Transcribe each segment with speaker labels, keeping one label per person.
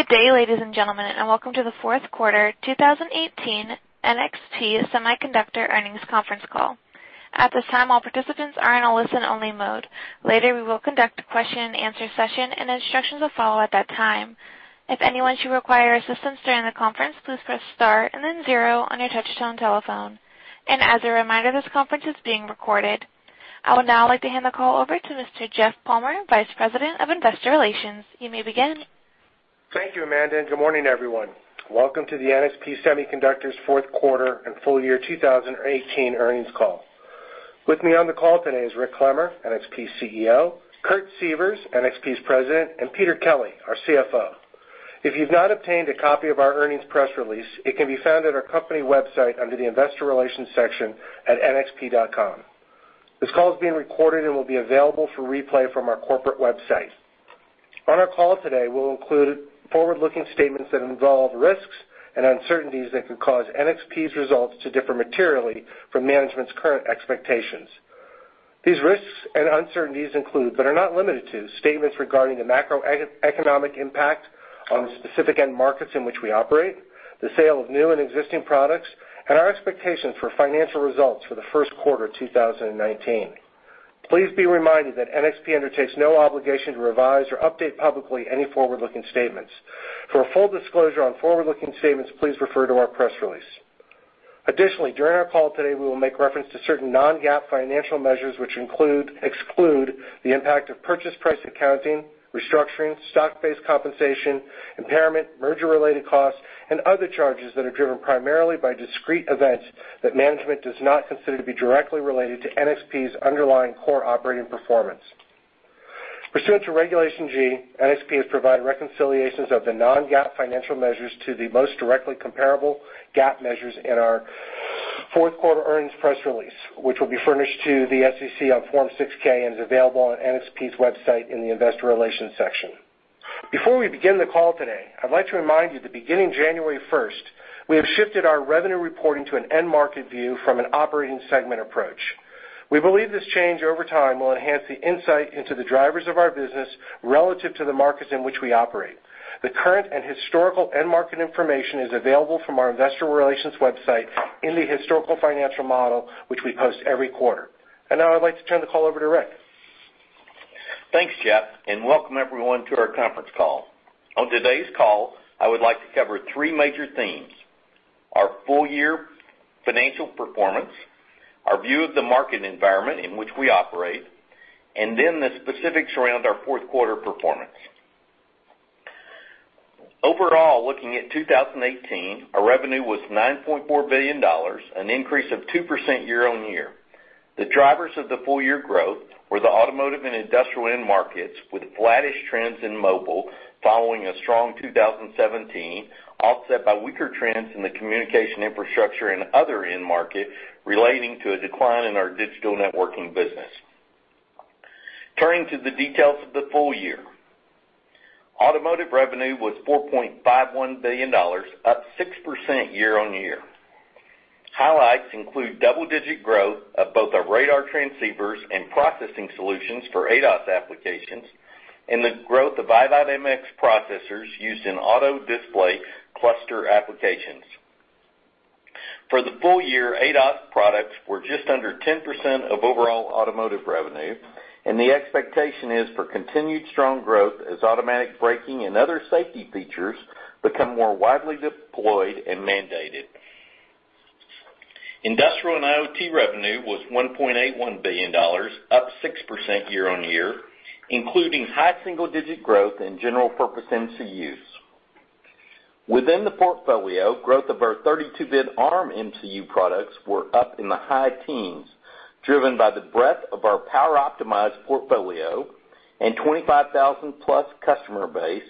Speaker 1: Good day, ladies and gentlemen, and Welcome to the fourth quarter 2018 NXP Semiconductors earnings conference call. At this time, all participants are in a listen-only mode. Later, we will conduct a question-and-answer session, and instructions will follow at that time. If anyone should require assistance during the conference, please press star and then zero on your touch-tone telephone. As a reminder, this conference is being recorded. I would now like to hand the call over to Mr. Jeff Palmer, Vice President of Investor Relations. You may begin.
Speaker 2: Thank you, Amanda, and good morning, everyone. Welcome to the NXP Semiconductors fourth quarter and full year 2018 earnings call. With me on the call today is Rick Clemmer, NXP's CEO, Kurt Sievers, NXP's President, and Peter Kelly, our CFO. If you've not obtained a copy of our earnings press release, it can be found at our company website under the investor relations section at nxp.com. This call is being recorded and will be available for replay from our corporate website. On our call today, we'll include forward-looking statements that involve risks and uncertainties that could cause NXP's results to differ materially from management's current expectations. These risks and uncertainties include, but are not limited to, statements regarding the macroeconomic impact on the specific end markets in which we operate, the sale of new and existing products, and our expectations for financial results for the first quarter 2019. Please be reminded that NXP undertakes no obligation to revise or update publicly any forward-looking statements. For a full disclosure on forward-looking statements, please refer to our press release. Additionally, during our call today, we will make reference to certain non-GAAP financial measures, which exclude the impact of purchase price accounting, restructuring, stock-based compensation, impairment, merger-related costs, and other charges that are driven primarily by discrete events that management does not consider to be directly related to NXP's underlying core operating performance. Pursuant to Regulation G, NXP has provided reconciliations of the non-GAAP financial measures to the most directly comparable GAAP measures in our fourth quarter earnings press release, which will be furnished to the SEC on Form 6-K and is available on NXP's website in the investor relations section. Before we begin the call today, I'd like to remind you that beginning January 1st, we have shifted our revenue reporting to an end-market view from an operating segment approach. We believe this change over time will enhance the insight into the drivers of our business relative to the markets in which we operate. The current and historical end market information is available from our investor relations website in the historical financial model, which we post every quarter. Now I'd like to turn the call over to Rick.
Speaker 3: Thanks, Jeff, and welcome everyone to our conference call. On today's call, I would like to cover three major themes, our full-year financial performance, our view of the market environment in which we operate, and the specifics around our fourth quarter performance. Overall, looking at 2018, our revenue was $9.4 billion, an increase of 2% year-on-year. The drivers of the full-year growth were the automotive and industrial end markets, with flattish trends in mobile following a strong 2017, offset by weaker trends in the communication infrastructure and other end market relating to a decline in our digital networking business. Turning to the details of the full-year. Automotive revenue was $4.51 billion, up 6% year-on-year. Highlights include double-digit growth of both our radar transceivers and processing solutions for ADAS applications and the growth of i.MX processors used in auto display cluster applications. For the full-year, ADAS products were just under 10% of overall automotive revenue, and the expectation is for continued strong growth as automatic braking and other safety features become more widely deployed and mandated. Industrial and IoT revenue was $1.81 billion, up 6% year-on-year, including high single-digit growth in general purpose MCUs. Within the portfolio, growth of our 32-bit ARM MCU products were up in the high teens, driven by the breadth of our power-optimized portfolio and 25,000+ customer base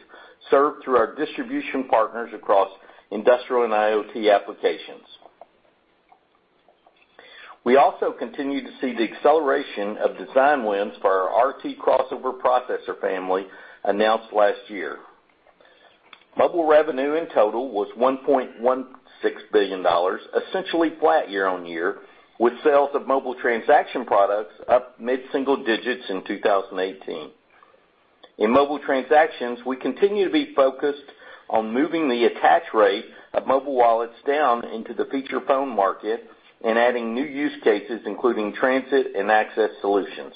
Speaker 3: served through our distribution partners across industrial and IoT applications. We also continue to see the acceleration of design wins for our RT Crossover processor family announced last year. Mobile revenue in total was $1.16 billion, essentially flat year-on-year, with sales of mobile transaction products up mid-single digits in 2018. In mobile transactions, we continue to be focused on moving the attach rate of mobile wallets down into the feature phone market and adding new use cases, including transit and access solutions.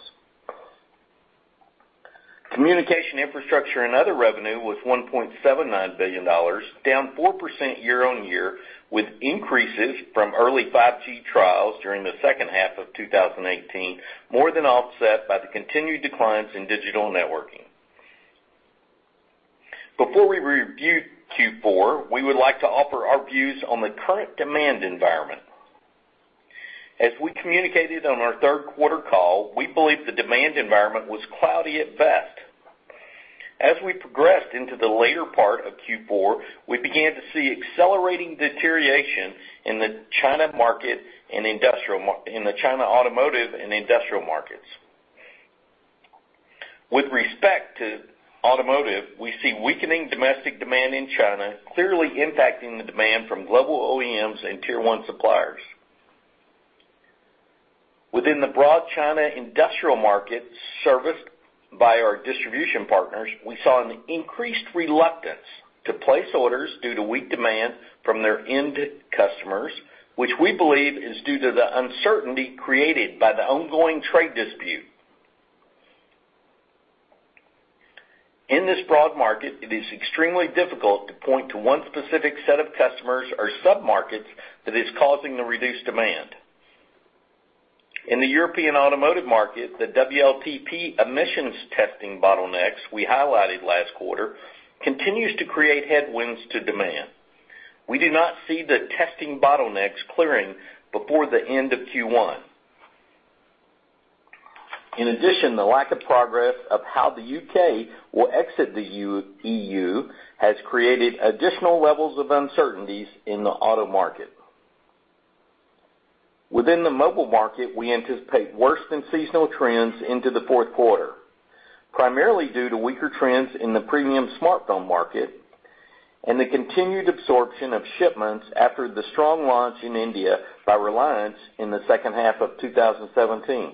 Speaker 3: Communication infrastructure and other revenue was $1.79 billion, down 4% year-on-year, with increases from early 5G trials during the second half of 2018 more than offset by the continued declines in digital networking. Before we review Q4, we would like to offer our views on the current demand environment. As we communicated on our third quarter call, we believe the demand environment was cloudy at best. As we progressed into the later part of Q4, we began to see accelerating deterioration in the China automotive and industrial markets. With respect to automotive, we see weakening domestic demand in China clearly impacting the demand from global OEMs and Tier 1 suppliers. Within the broad China industrial market serviced by our distribution partners, we saw an increased reluctance to place orders due to weak demand from their end customers, which we believe is due to the uncertainty created by the ongoing trade dispute. In this broad market, it is extremely difficult to point to one specific set of customers or submarkets that is causing the reduced demand. In the European automotive market, the WLTP emissions testing bottlenecks we highlighted last quarter continues to create headwinds to demand. We do not see the testing bottlenecks clearing before the end of Q1. In addition, the lack of progress of how the U.K. will exit the EU has created additional levels of uncertainties in the auto market. Within the mobile market, we anticipate worse than seasonal trends into the fourth quarter, primarily due to weaker trends in the premium smartphone market and the continued absorption of shipments after the strong launch in India by Reliance in the second half of 2017.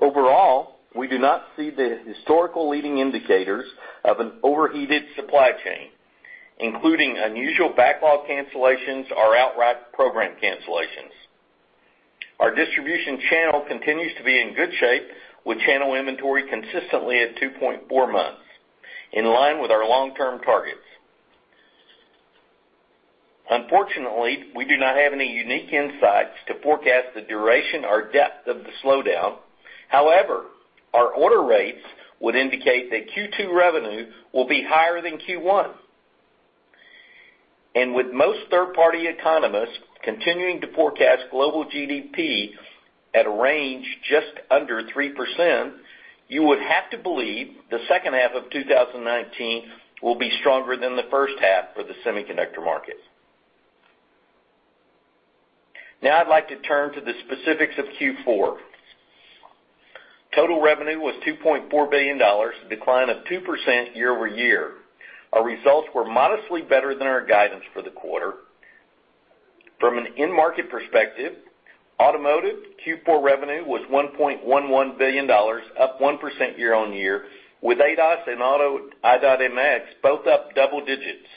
Speaker 3: Overall, we do not see the historical leading indicators of an overheated supply chain, including unusual backlog cancellations or outright program cancellations. Our distribution channel continues to be in good shape with channel inventory consistently at 2.4 months, in line with our long-term targets. Unfortunately, we do not have any unique insights to forecast the duration or depth of the slowdown. Our order rates would indicate that Q2 revenue will be higher than Q1. With most third-party economists continuing to forecast global GDP at a range just under 3%, you would have to believe the second half of 2019 will be stronger than the first half for the semiconductor market. Now I'd like to turn to the specifics of Q4. Total revenue was $2.4 billion, a decline of 2% year-over-year. Our results were modestly better than our guidance for the quarter. From an end market perspective, automotive Q4 revenue was $1.11 billion, up 1% year-on-year, with ADAS and auto i.MX both up double digits.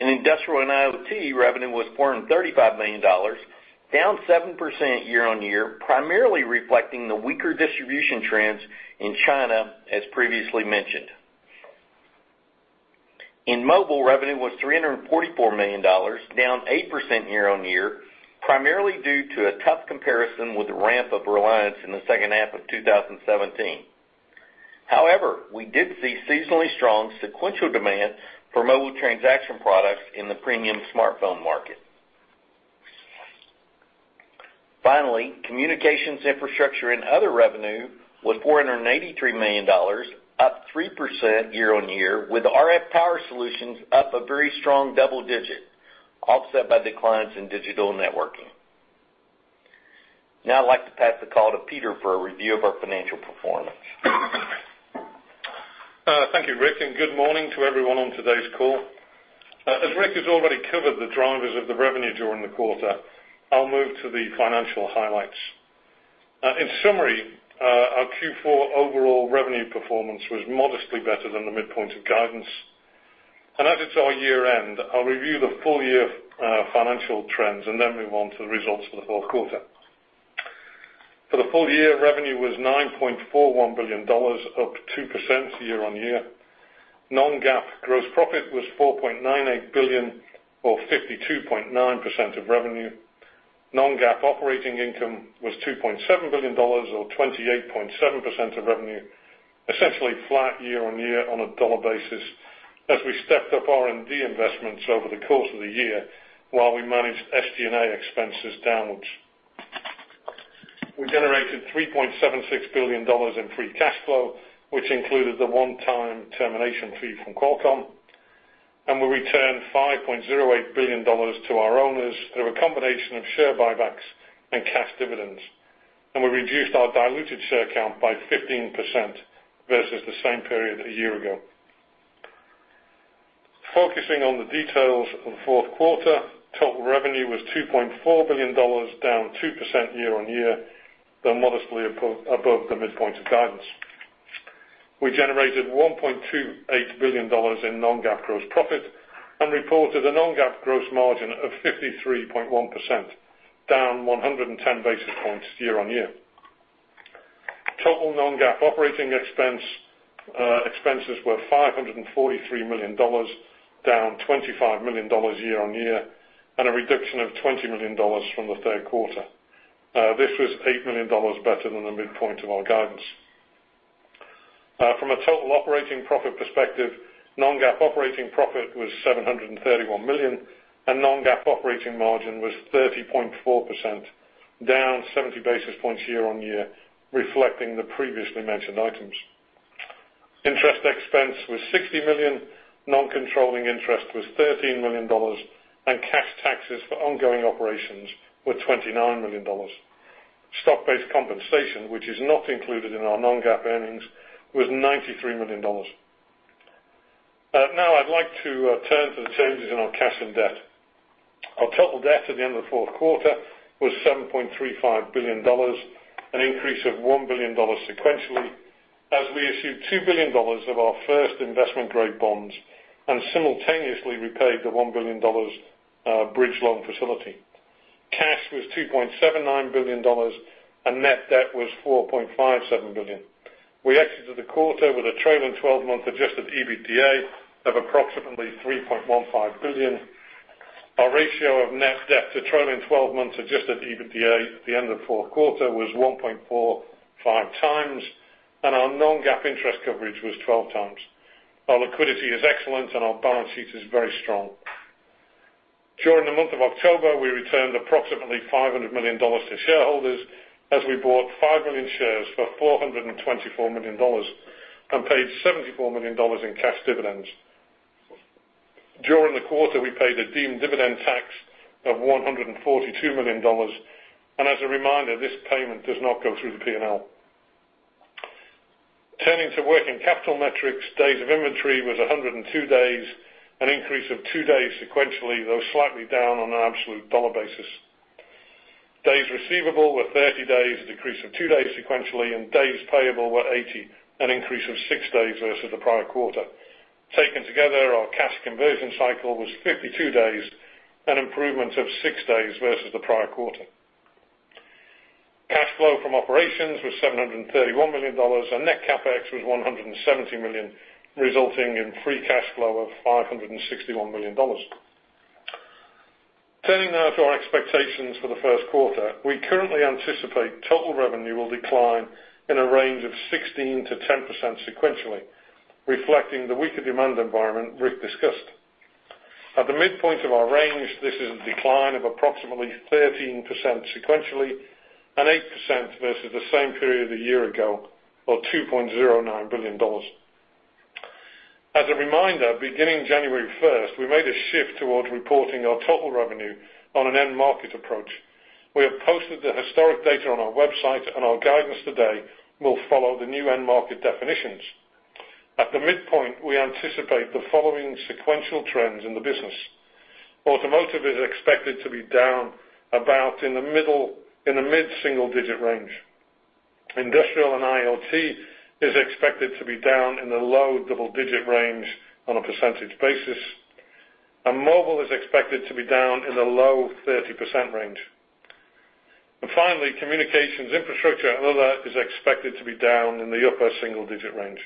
Speaker 3: In industrial and IoT, revenue was $435 million, down 7% year-on-year, primarily reflecting the weaker distribution trends in China, as previously mentioned. In mobile, revenue was $344 million, down 8% year-on-year, primarily due to a tough comparison with the ramp of Reliance in the second half of 2017. We did see seasonally strong sequential demand for mobile transaction products in the premium smartphone market. Communications infrastructure and other revenue was $483 million, up 3% year-on-year, with RF power solutions up a very strong double digit, offset by declines in digital networking. I'd like to pass the call to Peter for a review of our financial performance.
Speaker 4: Thank you, Rick, and good morning to everyone on today's call. As Rick has already covered the drivers of the revenue during the quarter, I'll move to the financial highlights. In summary, our Q4 overall revenue performance was modestly better than the midpoint of guidance. As it's our year-end, I'll review the full year financial trends and then move on to the results for the fourth quarter. For the full year, revenue was $9.41 billion, up 2% year-on-year. Non-GAAP gross profit was $4.98 billion or 52.9% of revenue. Non-GAAP operating income was $2.7 billion or 28.7% of revenue, essentially flat year-on-year on a dollar basis as we stepped up R&D investments over the course of the year while we manage d SG&A expenses downwards. We generated $3.76 billion in free cash flow, which included the one-time termination fee from Qualcomm, and we returned $5.08 billion to our owners through a combination of share buybacks and cash dividends. We reduced our diluted share count by 15% versus the same period a year ago. Focusing on the details of the fourth quarter, total revenue was $2.4 billion, down 2% year-on-year, though modestly above the midpoint of guidance. We generated $1.28 billion in non-GAAP gross profit and reported a non-GAAP gross margin of 53.1%, down 110 basis points year-on-year. Total non-GAAP operating expenses were $543 million, down $25 million year-on-year, and a reduction of $20 million from the third quarter. This was $8 million better than the midpoint of our guidance. From a total operating profit perspective, non-GAAP operating profit was $731 million and non-GAAP operating margin was 30.4%, down 70 basis points year-on-year, reflecting the previously mentioned items. Interest expense was $60 million, non-controlling interest was $13 million, and cash taxes for ongoing operations were $29 million. Stock-based compensation, which is not included in our non-GAAP earnings, was $93 million. I'd like to turn to the changes in our cash and debt. Our total debt at the end of the fourth quarter was $7.35 billion, an increase of $1 billion sequentially, as we issued $2 billion of our first investment grade bonds and simultaneously repaid the $1 billion bridge loan facility. Cash was $2.79 billion, and net debt was $4.57 billion. We exited the quarter with a trailing 12-month adjusted EBITDA of approximately $3.15 billion. Our ratio of net debt to trailing 12-months adjusted EBITDA at the end of the fourth quarter was 1.45x, and our non-GAAP interest coverage was 12x. Our liquidity is excellent, and our balance sheet is very strong. During the month of October, we returned approximately $500 million to shareholders, as we bought 5 million shares for $424 million and paid $74 million in cash dividends. During the quarter, we paid a deemed dividend tax of $142 million, and as a reminder, this payment does not go through the P&L. Turning to working capital metrics, days of inventory was 102 days, an increase of two days sequentially, though slightly down on an absolute dollar basis. Days receivable were 30 days, a decrease of two days sequentially, and days payable were 80, an increase of six days versus the prior quarter. Taken together, our cash conversion cycle was 52 days, an improvement of six days versus the prior quarter. Cash flow from operations was $731 million, and net CapEx was $170 million, resulting in free cash flow of $561 million. Turning to our expectations for the first quarter. We currently anticipate total revenue will decline in a range of 16%-10% sequentially, reflecting the weaker demand environment Rick discussed. At the midpoint of our range, this is a decline of approximately 13% sequentially and 8% versus the same period a year ago, or $2.09 billion. As a reminder, beginning January 1st, we made a shift towards reporting our total revenue on an end market approach. We have posted the historic data on our website, and our guidance today will follow the new end market definitions. At the midpoint, we anticipate the following sequential trends in the business. Automotive is expected to be down about in the mid-single-digit range. Industrial and IoT is expected to be down in the low double-digit range on a percentage basis. Mobile is expected to be down in the low 30% range. Finally, communications infrastructure and other is expected to be down in the upper single-digit range.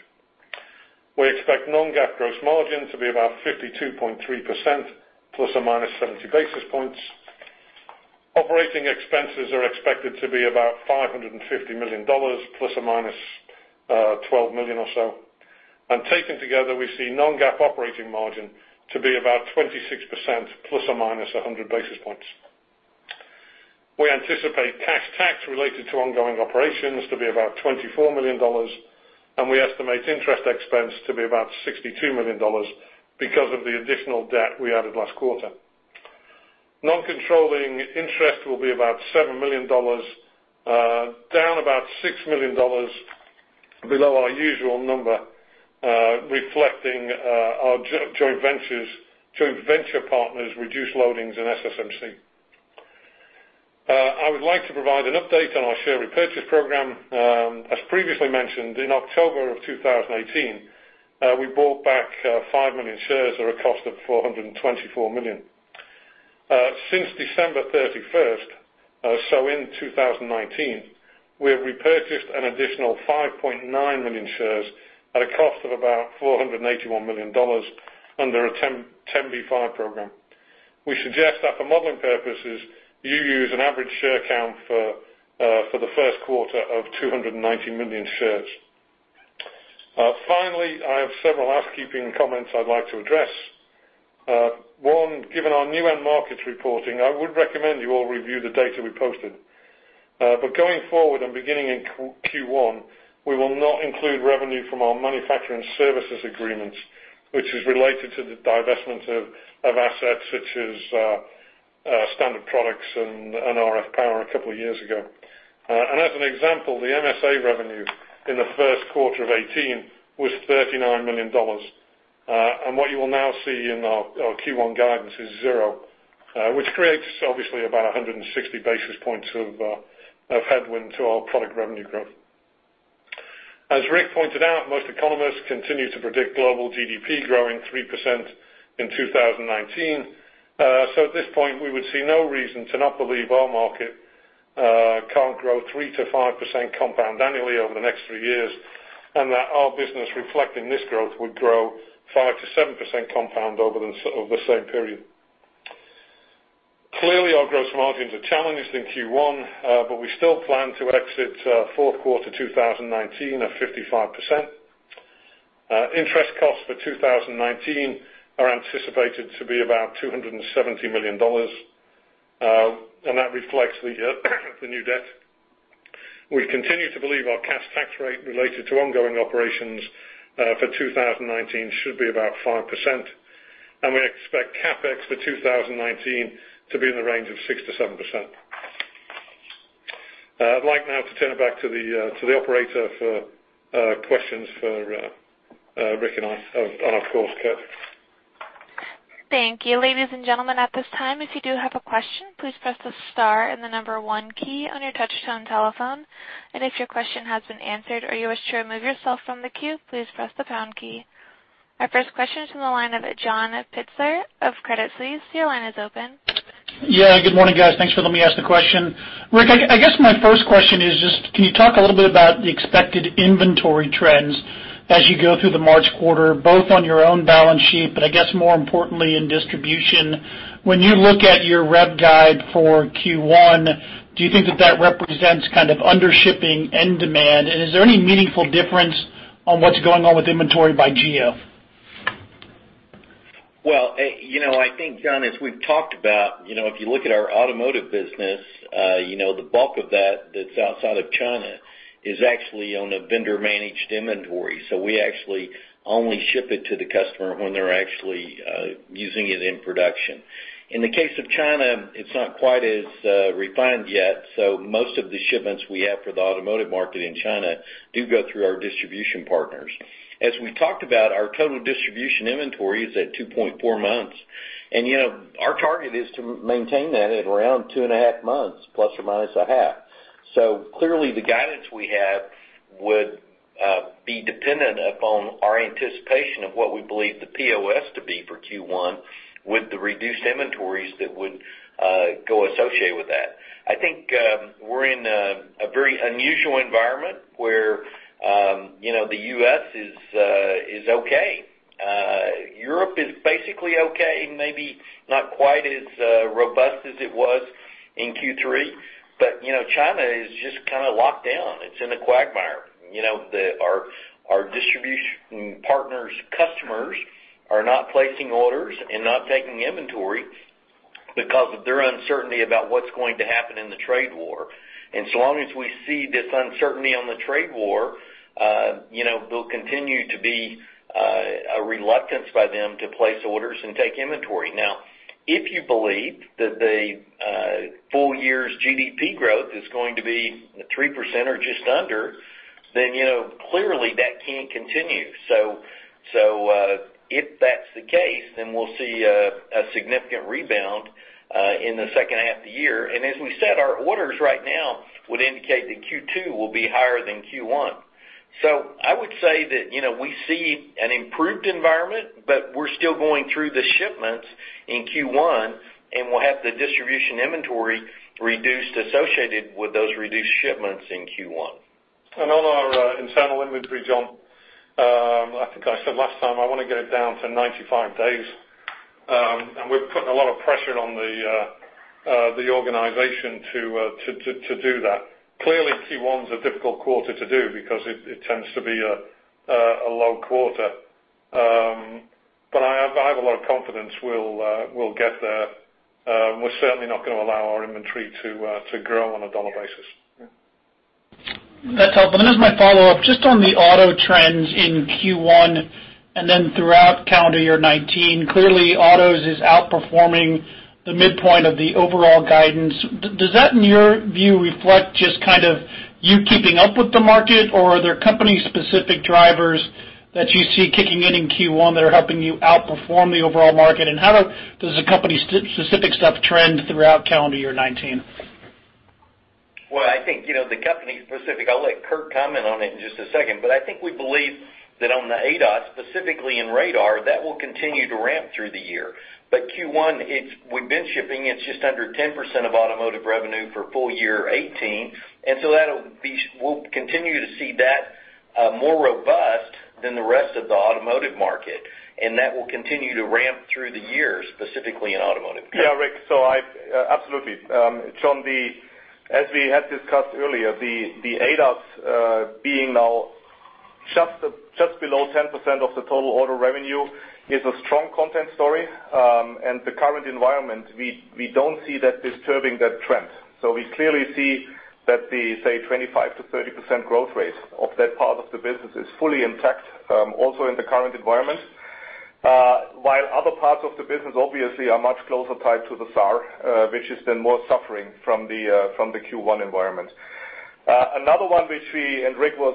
Speaker 4: We expect non-GAAP gross margin to be about 52.3% ±70 basis points. Operating expenses are expected to be about $550 million ±$12 million or so. Taken together, we see non-GAAP operating margin to be about 26% ±100 basis points. We anticipate cash tax related to ongoing operations to be about $24 million, and we estimate interest expense to be about $62 million because of the additional debt we added last quarter. Non-controlling interest will be about $7 million, down about $6 million below our usual number, reflecting our joint venture partners' reduced loadings in SSMC. I would like to provide an update on our share repurchase program. As previously mentioned, in October 2018, we bought back 5 million shares at a cost of $424 million. Since December 31st, in 2019, we have repurchased an additional 5.9 million shares at a cost of about $481 million under a 10b5-1 program. We suggest that for modeling purposes, you use an average share count for the first quarter of 219 million shares. Finally, I have several housekeeping comments I'd like to address. One, given our new end markets reporting, I would recommend you all review the data we posted. Going forward and beginning in Q1, we will not include revenue from our manufacturing services agreements, which is related to the divestment of assets such as standard products and RF Power a couple of years ago. As an example, the MSA revenue in the first quarter of 2018 was $39 million. What you will now see in our Q1 guidance is zero, which creates obviously about 160 basis points of headwind to our product revenue growth. As Rick pointed out, most economists continue to predict global GDP growing 3% in 2019. At this point, we would see no reason to not believe our market can't grow 3%-5% compound annually over the next three years, and that our business reflecting this growth would grow 5%-7% compound over the same period. Clearly, our gross margins are challenged in Q1, but we still plan to exit fourth quarter 2019 at 55%. Interest costs for 2019 are anticipated to be about $270 million, and that reflects the new debt. We continue to believe our cash tax rate related to ongoing operations for 2019 should be about 5%, and we expect CapEx for 2019 to be in the range of 6%-7%. I'd like now to turn it back to the operator for questions for Rick and I, and of course, Kurt.
Speaker 1: Thank you. Ladies and gentlemen, at this time, if you do have a question, please press the star and the number one key on your touchtone telephone. If your question has been answered or you wish to remove yourself from the queue, please press the pound key. Our first question is from the line of John Pitzer of Credit Suisse. Your line is open.
Speaker 5: Yeah. Good morning, guys. Thanks for letting me ask the question. Rick, I guess my first question is just can you talk a little bit about the expected inventory trends as you go through the March quarter, both on your own balance sheet, but I guess more importantly in distribution. When you look at your rev guide for Q1, do you think that that represents kind of under-shipping end demand? Is there any meaningful difference on what's going on with inventory by geo?
Speaker 3: Well, I think, John, as we've talked about, if you look at our automotive business, the bulk of that's outside of China is actually on a vendor-managed inventory. We actually only ship it to the customer when they're actually using it in production. In the case of China, it's not quite as refined yet, most of the shipments we have for the automotive market in China do go through our distribution partners. As we talked about, our total distribution inventory is at 2.4 months. Our target is to maintain that at around 2.5 months, ±0.5. Clearly the guidance we have would be dependent upon our anticipation of what we believe the POS to be for Q1 with the reduced inventories that would go associated with that. I think we're in a very unusual environment where the U.S. is okay. Europe is basically okay, maybe not quite as robust as it was in Q3. China is just kind of locked down. It's in a quagmire. Our distribution partners' customers are not placing orders and not taking inventory because of their uncertainty about what's going to happen in the trade war. So long as we see this uncertainty on the trade war, there'll continue to be a reluctance by them to place orders and take inventory. If you believe that the full year's GDP growth is going to be 3% or just under, clearly that can't continue. If that's the case, we'll see a significant rebound in the second half of the year. As we said, our orders right now would indicate that Q2 will be higher than Q1. I would say that we see an improved environment, but we're still going through the shipments in Q1, and we'll have the distribution inventory reduced associated with those reduced shipments in Q1.
Speaker 4: On our internal inventory, John, I think I said last time, I want to get it down to 95 days. We're putting a lot of pressure on the organization to do that. Clearly, Q1's a difficult quarter to do because it tends to be a low quarter. I have a lot of confidence we'll get there. We're certainly not going to allow our inventory to grow on a dollar basis.
Speaker 5: That's helpful. As my follow-up, just on the auto trends in Q1 and then throughout calendar year 2019, clearly autos is outperforming the midpoint of the overall guidance. Does that, in your view, reflect just kind of you keeping up with the market, or are there company-specific drivers that you see kicking in in Q1 that are helping you outperform the overall market? How does the company specific stuff trend throughout calendar year 2019?
Speaker 3: Well, I think the company specific, I'll let Kurt comment on it in just a second. I think we believe that on the ADAS, specifically in radar, that will continue to ramp through the year. Q1, we've been shipping, it's just under 10% of automotive revenue for full year 2018. We'll continue to see that more robust than the rest of the automotive market, and that will continue to ramp through the year, specifically in automotive.
Speaker 6: Yeah, Rick. Absolutely. John, as we had discussed earlier, the ADAS being now just below 10% of the total auto revenue is a strong content story. The current environment, we don't see that disturbing that trend. We clearly see that the, say, 25%-30% growth rate of that part of the business is fully intact, also in the current environment. While other parts of the business obviously are much closer tied to the SAR, which has been more suffering from the Q1 environment. Another one which we, and Rick was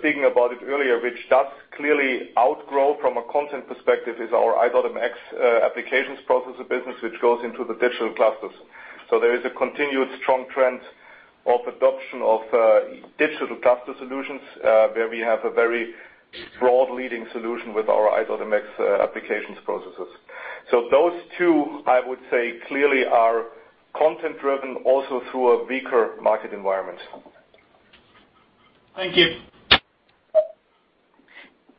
Speaker 6: speaking about it earlier, which does clearly outgrow from a content perspective is our i.MX applications processor business, which goes into the digital clusters. There is a continued strong trend of adoption of digital cluster solutions, where we have a very broad leading solution with our i.MX applications processors. Those two, I would say, clearly are content driven also through a weaker market environment.
Speaker 5: Thank you.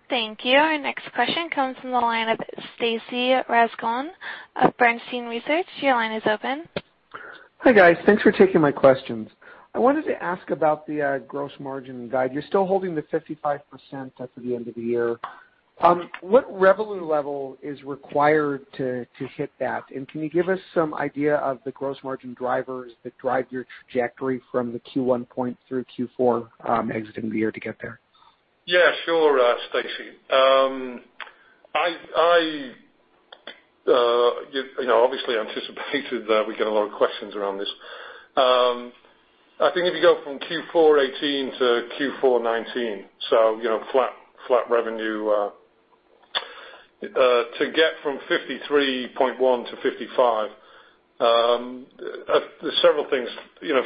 Speaker 1: Thank you. Our next question comes from the line of Stacy Rasgon of Bernstein Research. Your line is open.
Speaker 7: Hi, guys. Thanks for taking my questions. I wanted to ask about the gross margin guide. You're still holding the 55% up to the end of the year. What revenue level is required to hit that? Can you give us some idea of the gross margin drivers that drive your trajectory from the Q1 point through Q4 exiting the year to get there?
Speaker 4: Yeah, sure, Stacy. Obviously anticipated that we get a lot of questions around this. I think if you go from Q4 2018 to Q4 2019, flat revenue, to get from 53.1%-55%, there's several things.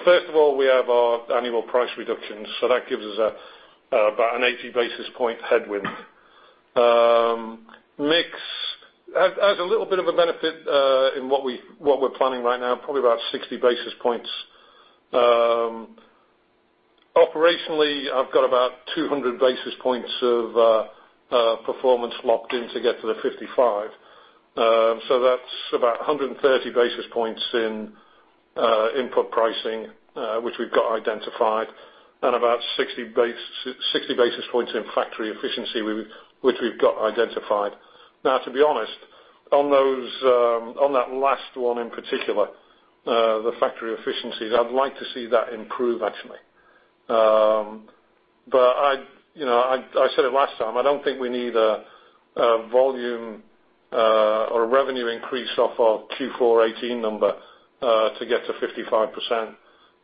Speaker 4: First of all, we have our annual price reductions, so that gives us about an 80 basis point headwind. Mix adds a little bit of a benefit, in what we're planning right now, probably about 60 basis points. Operationally, I've got about 200 basis points of performance locked in to get to the 55%. That's about 130 basis points in input pricing, which we've got identified, and about 60 basis points in factory efficiency, which we've got identified. To be honest, on that last one in particular, the factory efficiencies, I'd like to see that improve, actually. I said it last time, I don't think we need a volume or a revenue increase off our Q4 2018 number, to get to 55%.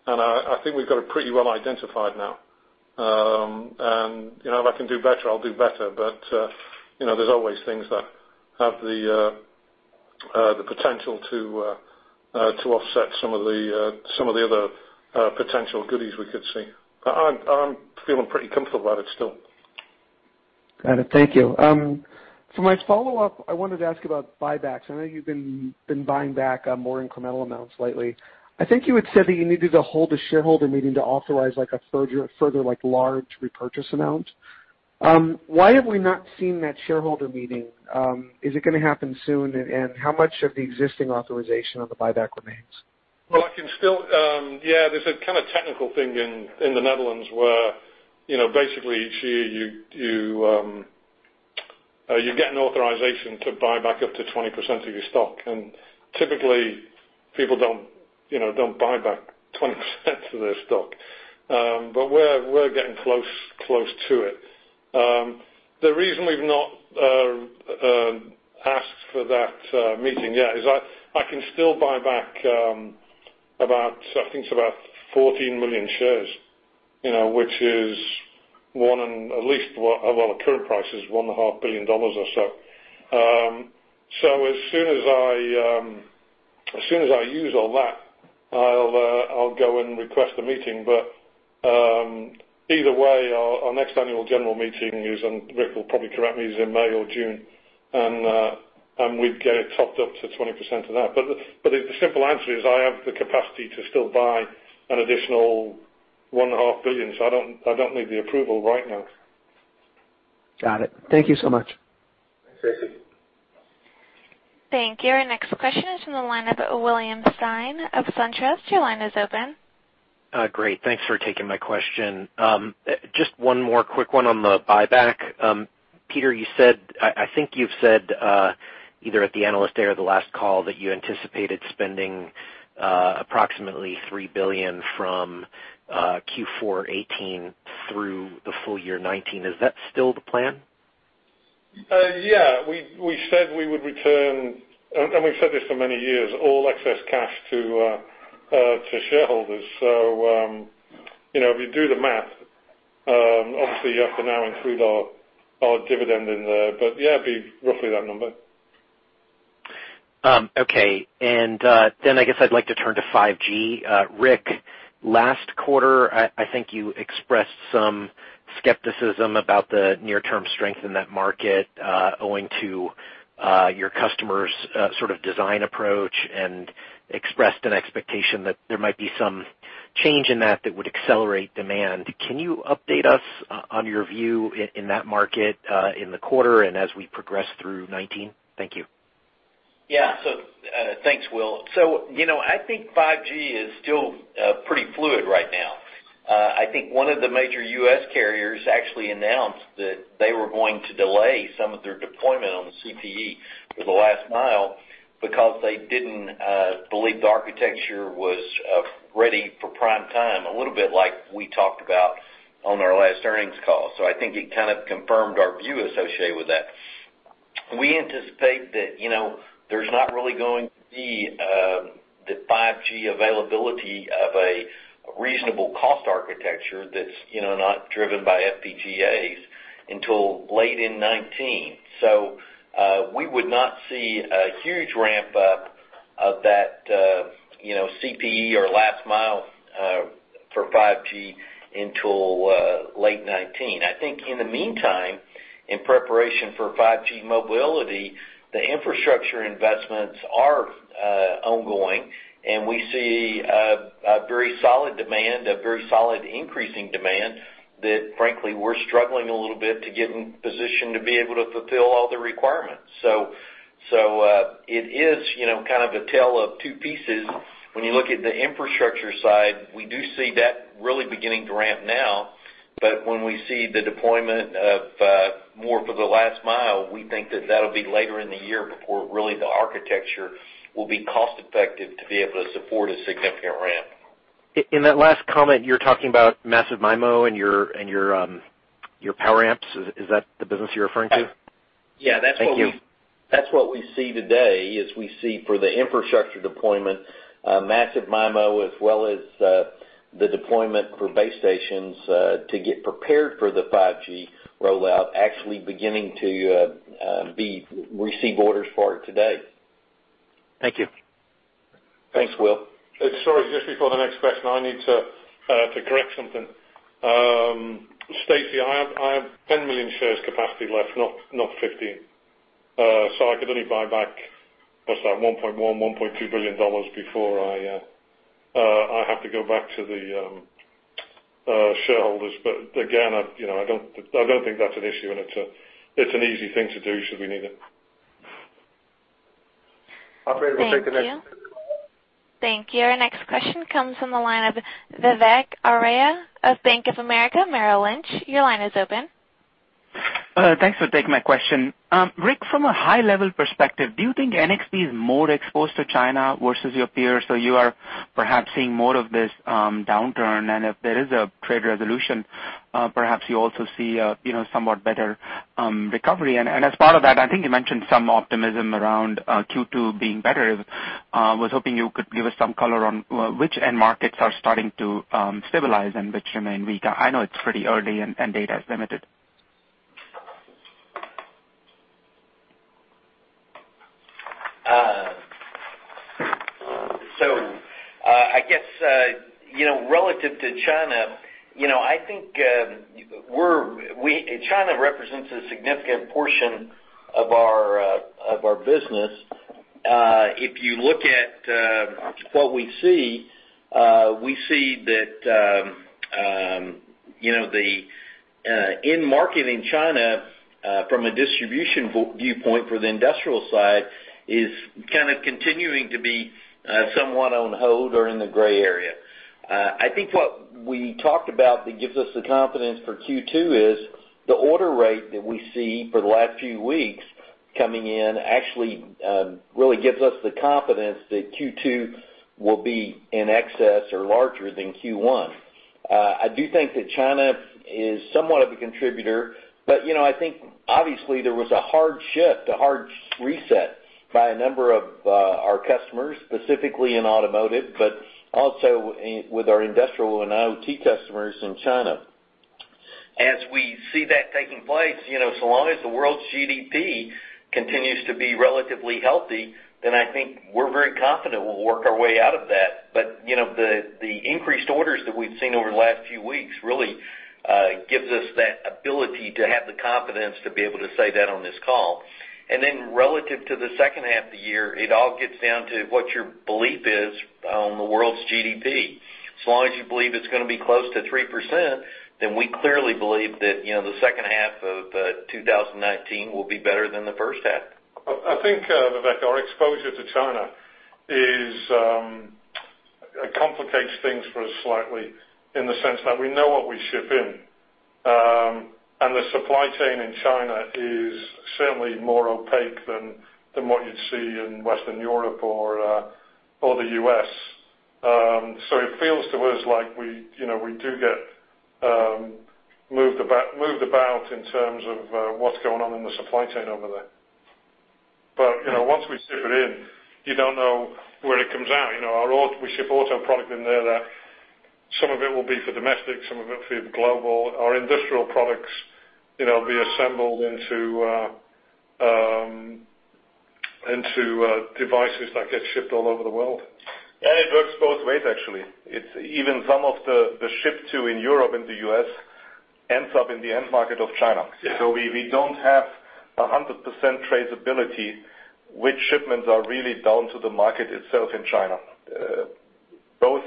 Speaker 4: I think we've got it pretty well identified now. If I can do better, I'll do better, but there's always things that have the potential to offset some of the other potential goodies we could see. I'm feeling pretty comfortable about it still.
Speaker 7: Got it. Thank you. For my follow-up, I wanted to ask about buybacks. I know you've been buying back more incremental amounts lately. I think you had said that you needed to hold a shareholder meeting to authorize a further large repurchase amount. Why have we not seen that shareholder meeting? Is it going to happen soon, and how much of the existing authorization of the buyback remains?
Speaker 4: Well, yeah, there's a kind of technical thing in the Netherlands where, basically, each year you get an authorization to buy back up to 20% of your stock. Typically, people don't buy back 20% of their stock. We're getting close to it. The reason we've not asked for that meeting yet is I can still buy back about, I think it's about 14 million shares, which is one, and at least well, at current price is $1.5 billion or so. As soon as I use all that, I'll go and request a meeting, but, either way, our next annual general meeting is, and Rick will probably correct me, is in May or June, and we'd get it topped up to 20% of that. The simple answer is I have the capacity to still buy an additional $1.5 billion, so I don't need the approval right now.
Speaker 7: Got it. Thank you so much.
Speaker 4: Thanks, Stacy.
Speaker 1: Thank you. Our next question is from the line of William Stein of SunTrust. Your line is open.
Speaker 8: Great. Thanks for taking my question. Just one more quick one on the buyback. Peter, I think you've said, either at the Analyst Day or the last call, that you anticipated spending approximately $3 billion from Q4 2018 through the full year 2019. Is that still the plan?
Speaker 4: Yeah. We said we would return, and we've said this for many years, all excess cash to shareholders. If you do the math, obviously you have to now include our dividend in there. Yeah, it'd be roughly that number.
Speaker 8: Okay. Then I guess I'd like to turn to 5G. Rick, last quarter, I think you expressed some skepticism about the near-term strength in that market, owing to your customers' sort of design approach, and expressed an expectation that there might be some change in that that would accelerate demand. Can you update us on your view in that market, in the quarter and as we progress through 2019? Thank you.
Speaker 3: Thanks, Will. I think 5G is still pretty fluid right now. I think one of the major U.S. carriers actually announced that they were going to delay some of their deployment on the CPE for the last mile because they didn't believe the architecture was ready for prime time, a little bit like we talked about on our last earnings call. I think it kind of confirmed our view associated with that. We anticipate that there's not really going to be the 5G availability of a reasonable cost architecture that's not driven by FPGAs until late in 2019. We would not see a huge ramp-up of that CPE or last mile for 5G until late 2019. I think in the meantime, in preparation for 5G mobility, the infrastructure investments are ongoing, and we see a very solid demand, a very solid increasing demand, that frankly, we're struggling a little bit to get in position to be able to fulfill all the requirements. It is kind of a tale of two pieces. When you look at the infrastructure side, we do see that really beginning to ramp now. When we see the deployment of more for the last mile, we think that that'll be later in the year before really the architecture will be cost-effective to be able to support a significant ramp.
Speaker 8: In that last comment, you're talking about Massive MIMO and your power amps. Is that the business you're referring to?
Speaker 3: Yeah.
Speaker 8: Thank you.
Speaker 3: That's what we see today, is we see for the infrastructure deployment, Massive MIMO, as well as the deployment for base stations, to get prepared for the 5G rollout, actually beginning to receive orders for it today.
Speaker 8: Thank you.
Speaker 3: Thanks, Will.
Speaker 4: Sorry, just before the next question, I need to correct something. Stacy, I have 10 million shares capacity left, not 15. I could only buy back, what's that, $1.1, $1.2 billion before I have to go back to the shareholders. Again, I don't think that's an issue, and it's an easy thing to do should we need it.
Speaker 2: Operator, we'll take the next.
Speaker 1: Thank you. Our next question comes from the line of Vivek Arya of Bank of America Merrill Lynch. Your line is open.
Speaker 9: Thanks for taking my question. Rick, from a high-level perspective, do you think NXP is more exposed to China versus your peers? You are perhaps seeing more of this downturn, and if there is a trade resolution, perhaps you also see somewhat better recovery. As part of that, I think you mentioned some optimism around Q2 being better. I was hoping you could give us some color on which end markets are starting to stabilize and which remain weaker. I know it's pretty early and data is limited.
Speaker 3: I guess, relative to China, I think China represents a significant portion of our business. If you look at what we see, we see that the end market in China, from a distribution viewpoint for the industrial side, is kind of continuing to be somewhat on hold or in the gray area. I think what we talked about that gives us the confidence for Q2 is the order rate that we see for the last few weeks coming in actually really gives us the confidence that Q2 will be in excess or larger than Q1. I do think that China is somewhat of a contributor, but I think obviously there was a hard shift, a hard reset by a number of our customers, specifically in automotive, but also with our industrial and IoT customers in China. As we see that taking place, so long as the world's GDP continues to be relatively healthy, then I think we're very confident we'll work our way out of that. The increased orders that we've seen over the last few weeks really gives us that ability to have the confidence to be able to say that on this call. Relative to the second half of the year, it all gets down to what your belief is on the world's GDP. Long as you believe it's going to be close to 3%, then we clearly believe that the second half of 2019 will be better than the first half.
Speaker 4: I think, Vivek, our exposure to China complicates things for us slightly in the sense that we know what we ship in. The supply chain in China is certainly more opaque than what you'd see in Western Europe or the U.S. It feels to us like we do get moved about in terms of what's going on in the supply chain over there. Once we ship it in, you don't know where it comes out. We ship auto product in there that some of it will be for domestic, some of it for global. Our industrial products will be assembled into devices that get shipped all over the world.
Speaker 6: It works both ways, actually. Even some of the ship to in Europe and the U.S. ends up in the end market of China.
Speaker 4: Yeah.
Speaker 6: We don't have 100% traceability which shipments are really down to the market itself in China. Both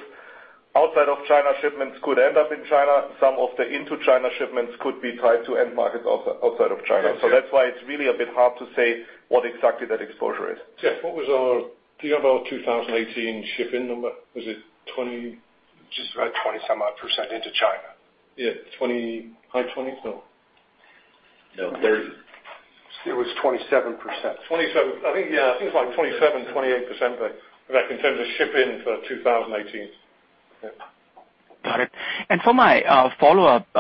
Speaker 6: outside of China shipments could end up in China. Some of the into China shipments could be tied to end markets outside of China.
Speaker 4: Yeah.
Speaker 6: That's why it's really a bit hard to say what exactly that exposure is.
Speaker 4: Jeff, what was our 2018 ship in number? Was it 20
Speaker 2: Just right 20 some odd percent into China.
Speaker 4: Yeah, high 20s, no?
Speaker 3: No. It was 27%.
Speaker 4: 27. I think, yeah, I think it's like 27%, 28%, Vivek, in terms of ship in for 2018.
Speaker 9: Got it. For my follow-up,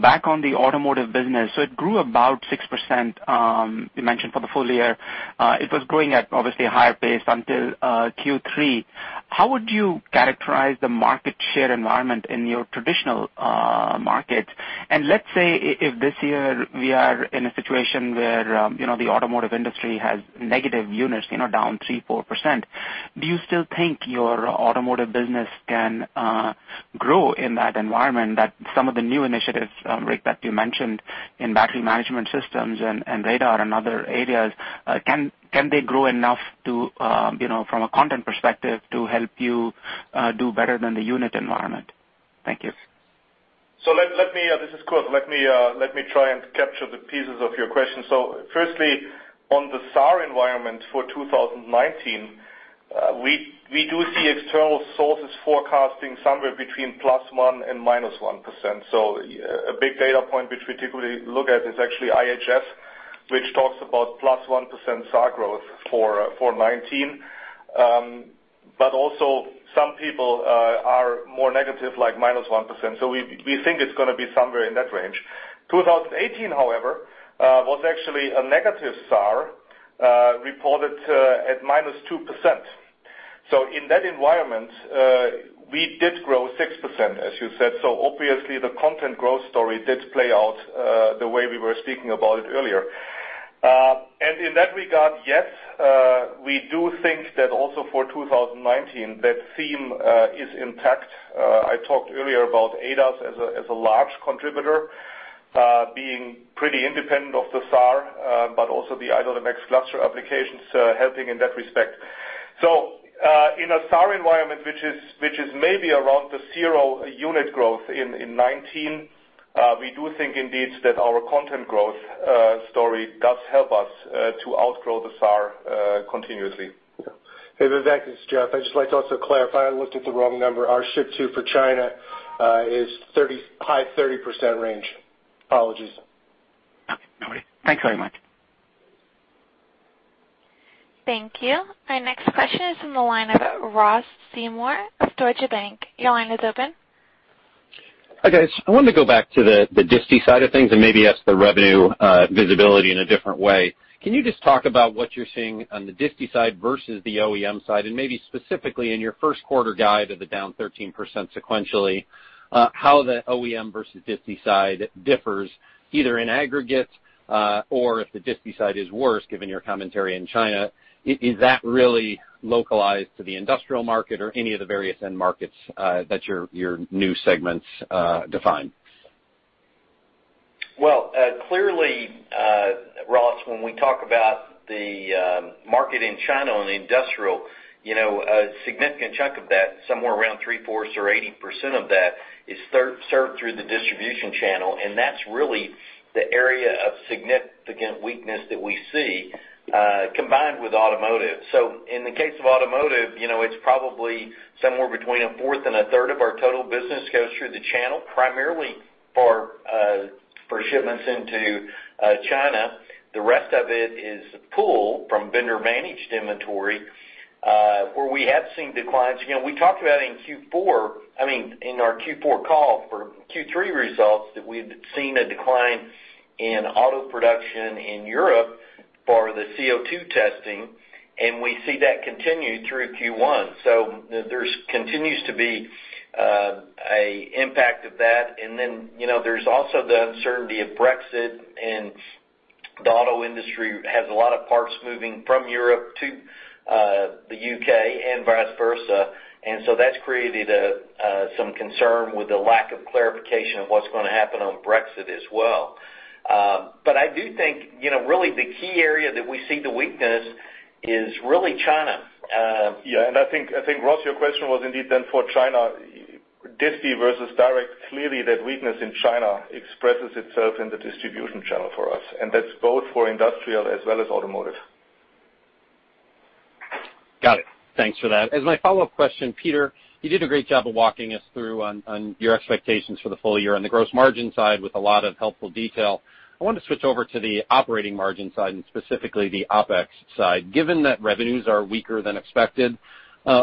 Speaker 9: back on the automotive business, it grew about 6%, you mentioned, for the full year. It was growing at obviously a higher pace until Q3. How would you characterize the market share environment in your traditional markets? Let's say if this year we are in a situation where the automotive industry has negative units, down 3%, 4%, do you still think your automotive business can grow in that environment that some of the new initiatives, Rick, that you mentioned in battery management systems and radar and other areas, can they grow enough from a content perspective to help you do better than the unit environment? Thank you.
Speaker 6: This is Kurt. Let me try and capture the pieces of your question. Firstly, on the SAR environment for 2019, we do see external sources forecasting somewhere between +1% and -1%. A big data point which we typically look at is actually IHS, which talks about +1% SAR growth for 2019. Also some people are more negative, like -1%. We think it's going to be somewhere in that range. 2018, however, was actually a negative SAR, reported at -2%. In that environment, we did grow 6%, as you said. Obviously the content growth story did play out the way we were speaking about it earlier. In that regard, yes, we do think that also for 2019, that theme is intact. I talked earlier about ADAS as a large contributor, being pretty independent of the SAR, but also the i.MX cluster applications helping in that respect. In a SAR environment, which is maybe around the zero unit growth in 2019, we do think indeed that our content growth story does help us to outgrow the SAR continuously.
Speaker 2: Hey, Vivek, it's Jeff. I'd just like to also clarify, I looked at the wrong number. Our ship to for China is high 30% range. Apologies.
Speaker 9: Okay. No worry. Thanks very much.
Speaker 1: Thank you. Our next question is from the line of Ross Seymore of Deutsche Bank. Your line is open.
Speaker 10: Hi, guys. I wanted to go back to the distie side of things and maybe ask the revenue visibility in a different way. Can you just talk about what you're seeing on the distie side versus the OEM side, and maybe specifically in your first quarter guide of the down 13% sequentially, how the OEM versus distie side differs either in aggregate, or if the distie side is worse, given your commentary in China, is that really localized to the industrial market or any of the various end markets that your new segments define?
Speaker 3: Clearly, Ross, when we talk about the market in China on the industrial, a significant chunk of that, somewhere around three-fourths or 80% of that is served through the distribution channel, and that's really the area of significant weakness that we see, combined with automotive. In the case of automotive, it's probably somewhere between a fourth and a third of our total business goes through the channel, primarily for shipments into China. The rest of it is pull from vendor-managed inventory, where we have seen declines. We talked about in our Q4 call for Q3 results, that we've seen a decline in auto production in Europe for the CO2 testing, and we see that continue through Q1. There continues to be an impact of that. There's also the uncertainty of Brexit, and the auto industry has a lot of parts moving from Europe to the U.K. and vice versa. That's created some concern with the lack of clarification of what's going to happen on Brexit as well. I do think, really the key area that we see the weakness is really China.
Speaker 6: I think, Ross, your question was indeed then for China, distie versus direct. Clearly that weakness in China expresses itself in the distribution channel for us. That's both for industrial as well as automotive.
Speaker 10: Got it. Thanks for that. As my follow-up question, Peter, you did a great job of walking us through on your expectations for the full year on the gross margin side with a lot of helpful detail. I wanted to switch over to the operating margin side and specifically the OpEx side. Given that revenues are weaker than expected,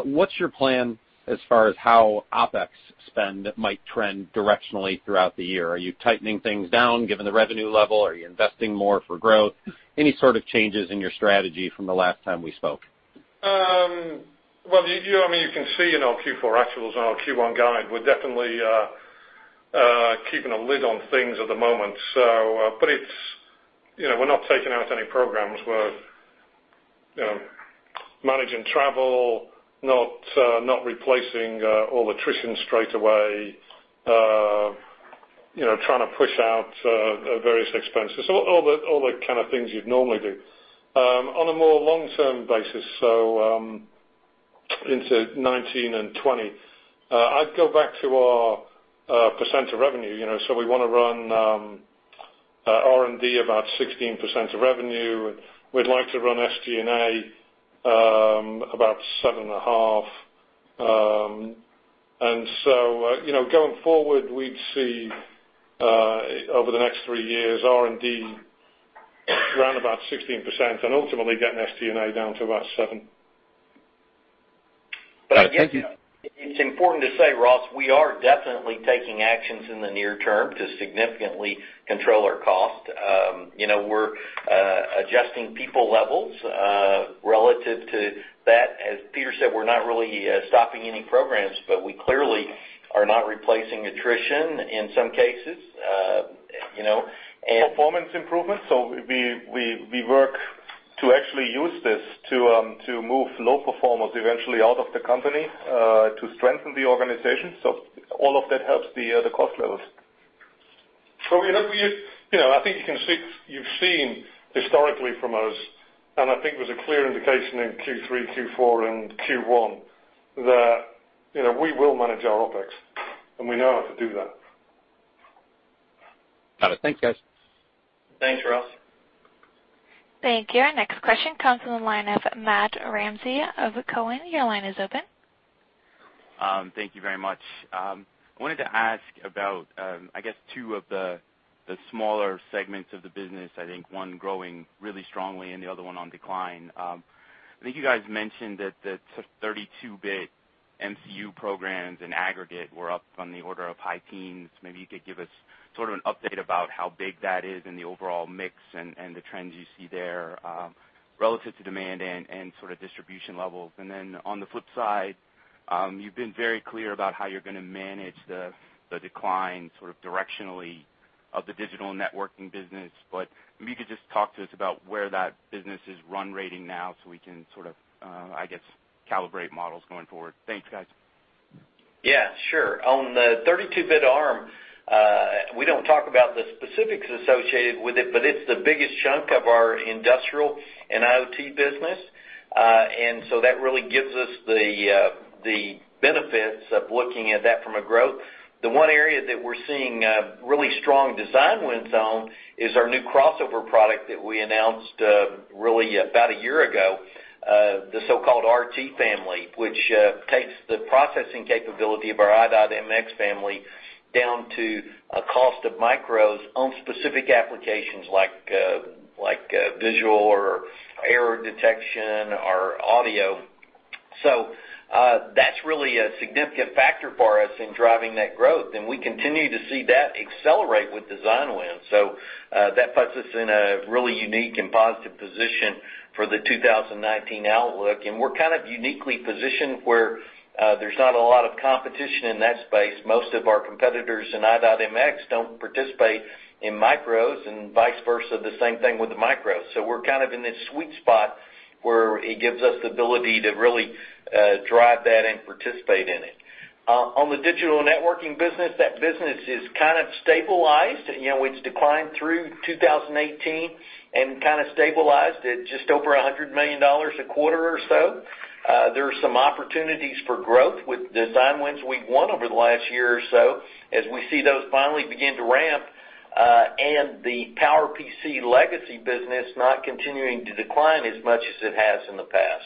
Speaker 10: what's your plan as far as how OpEx spend might trend directionally throughout the year? Are you tightening things down given the revenue level? Are you investing more for growth? Any sort of changes in your strategy from the last time we spoke?
Speaker 4: Well, you can see in our Q4 actuals and our Q1 guide, we're definitely keeping a lid on things at the moment. We're not taking out any programs. We're managing travel, not replacing all attrition straight away, trying to push out various expenses. All the kind of things you'd normally do. On a more long-term basis, into 2019 and 2020, I'd go back to our percent of revenue. We want to run R&D about 16% of revenue. We'd like to run SG&A about 7.5%. Going forward, we'd see, over the next three years, R&D around about 16% and ultimately getting SG&A down to about 7%.
Speaker 10: Thank you.
Speaker 3: I guess it's important to say, Ross, we are definitely taking actions in the near term to significantly control our cost. We're adjusting people levels. Relative to that, as Peter said, we're not really stopping any programs, but we clearly are not replacing attrition in some cases.
Speaker 6: Performance improvements. We work to actually use this to move low performers eventually out of the company, to strengthen the organization. All of that helps the cost levels.
Speaker 4: I think you've seen historically from us, and I think there's a clear indication in Q3, Q4, and Q1, that we will manage our OpEx, and we know how to do that.
Speaker 10: Got it. Thanks, guys.
Speaker 3: Thanks, Ross.
Speaker 1: Thank you. Our next question comes from the line of Matt Ramsay of Cowen. Your line is open.
Speaker 11: Thank you very much. I wanted to ask about, I guess, two of the smaller segments of the business, I think one growing really strongly and the other one on decline. I think you guys mentioned that the 32-bit MCU programs in aggregate were up on the order of high teens. Maybe you could give us sort of an update about how big that is in the overall mix and the trends you see there, relative to demand and sort of distribution levels. On the flip side, you've been very clear about how you're going to manage the decline sort of directionally of the digital networking business. Maybe you could just talk to us about where that business is run rating now so we can sort of, I guess, calibrate models going forward. Thanks, guys.
Speaker 3: Yeah, sure. On the 32-bit ARM, we don't talk about the specifics associated with it, but it's the biggest chunk of our industrial and IoT business. That really gives us the benefits of looking at that from a growth. The one area that we're seeing really strong design wins on is our new crossover product that we announced really about a year ago, the so-called RT family, which takes the processing capability of our i.MX family down to a cost of micros on specific applications like visual or error detection or audio. That's really a significant factor for us in driving that growth, and we continue to see that accelerate with design wins. That puts us in a really unique and positive position for the 2019 outlook. We're kind of uniquely positioned where there's not a lot of competition in that space. Most of our competitors in i.MX don't participate in micros, and vice versa, the same thing with the micros. We're kind of in this sweet spot where it gives us the ability to really drive that and participate in it. On the digital networking business, that business is kind of stabilized. It's declined through 2018 and kind of stabilized at just over $100 million a quarter or so. There are some opportunities for growth with design wins we've won over the last year or so as we see those finally begin to ramp, and the PowerPC legacy business not continuing to decline as much as it has in the past.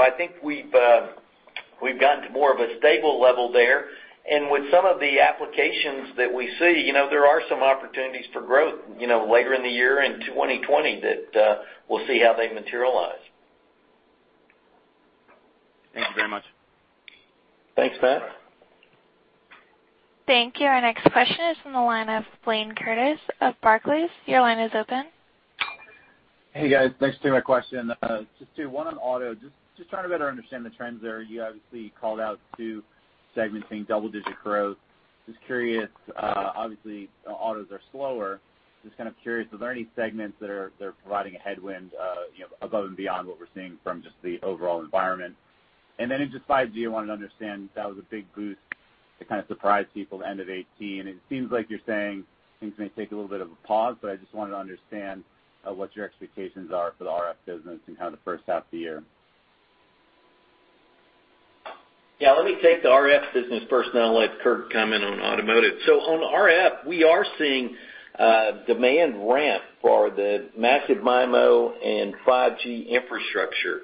Speaker 3: I think we've gotten to more of a stable level there. With some of the applications that we see, there are some opportunities for growth later in the year, in 2020, that we'll see how they materialize.
Speaker 11: Thank you very much.
Speaker 3: Thanks, Matt.
Speaker 1: Thank you. Our next question is from the line of Blayne Curtis of Barclays. Your line is open.
Speaker 12: Hey, guys, thanks for taking my question. Just two. One on auto, just trying to better understand the trends there. You obviously called out two segmenting double-digit growth. Curious, obviously, autos are slower. Kind of curious, are there any segments that are providing a headwind above and beyond what we're seeing from just the overall environment? Then in just 5G, I wanted to understand, that was a big boost that kind of surprised people at the end of 2018. It seems like you're saying things may take a little bit of a pause, but I just wanted to understand what your expectations are for the RF business and kind of the first half of the year.
Speaker 3: Let me take the RF business first, then I'll let Kurt comment on automotive. On RF, we are seeing demand ramp for the Massive MIMO and 5G infrastructure.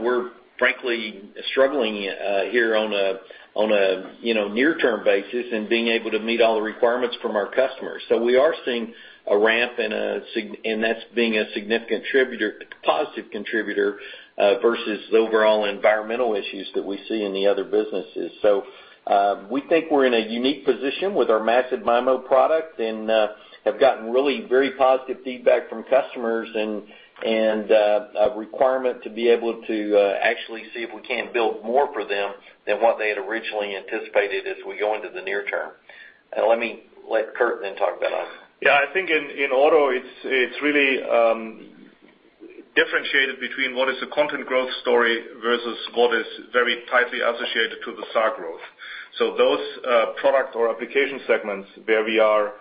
Speaker 3: We're frankly struggling here on a near-term basis in being able to meet all the requirements from our customers. We are seeing a ramp, and that's being a significant positive contributor versus the overall environmental issues that we see in the other businesses. We think we're in a unique position with our Massive MIMO product and have gotten really very positive feedback from customers and a requirement to be able to actually see if we can build more for them than what they had originally anticipated as we go into the near term. Let me let Kurt then talk about auto.
Speaker 6: I think in auto, it's really differentiated between what is a content growth story versus what is very tightly associated to the SAR growth. Those product or application segments where we are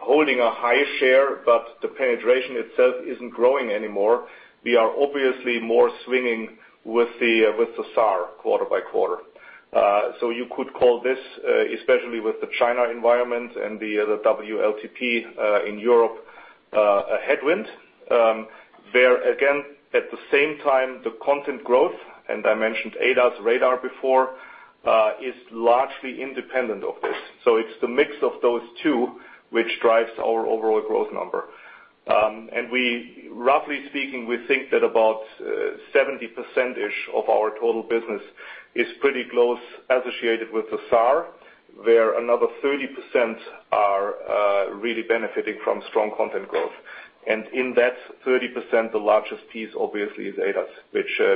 Speaker 6: holding a high share, but the penetration itself isn't growing anymore, we are obviously more swinging with the SAR quarter by quarter. You could call this, especially with the China environment and the WLTP in Europe, a headwind, where again, at the same time, the content growth, and I mentioned ADAS radar before, is largely independent of this. It's the mix of those two which drives our overall growth number. Roughly speaking, we think that about 70%-ish of our total business is pretty close associated with the SAR, where another 30% are really benefiting from strong content growth. In that 30%, the largest piece obviously is ADAS,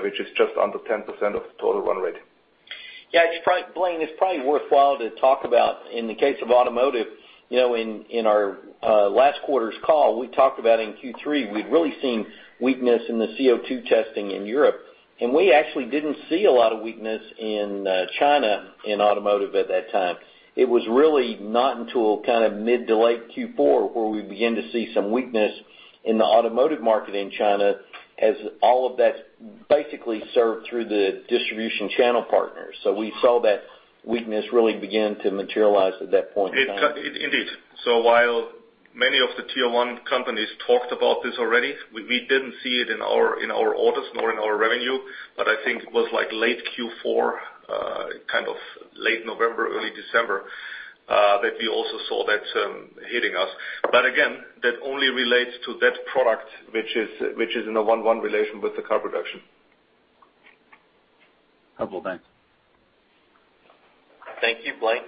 Speaker 6: which is just under 10% of the total run rate.
Speaker 3: Blayne, it's probably worthwhile to talk about in the case of automotive, in our last quarter's call, we talked about in Q3, we'd really seen weakness in the CO2 testing in Europe, and we actually didn't see a lot of weakness in China in automotive at that time. It was really not until kind of mid to late Q4 where we began to see some weakness in the automotive market in China as all of that basically served through the distribution channel partners. We saw that weakness really begin to materialize at that point in time.
Speaker 6: Indeed. Many of the Tier 1 companies talked about this already. We didn't see it in our orders nor in our revenue, I think it was late Q4, kind of late November, early December, that we also saw that hitting us. Again, that only relates to that product which is in a one-one relation with the car production.
Speaker 12: [Hubbell], thanks.
Speaker 3: Thank you. Blayne?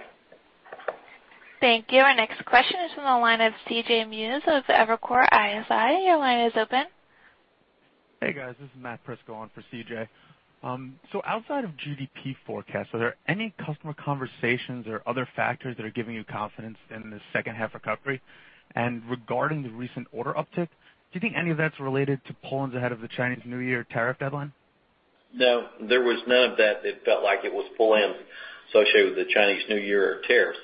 Speaker 1: Thank you. Our next question is from the line of C.J. Muse of Evercore ISI. Your line is open.
Speaker 13: Hey, guys. This is Matt Prisco on for C.J. Outside of GDP forecast, are there any customer conversations or other factors that are giving you confidence in the second half recovery? Regarding the recent order uptick, do you think any of that's related to pull-ins ahead of the Chinese New Year tariff deadline?
Speaker 3: No, there was none of that that felt like it was pull-ins associated with the Chinese New Year tariffs.